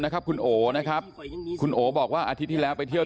นะครับคุณโอนะครับคุณโอบอกว่าอาทิตย์ที่แล้วไปเที่ยว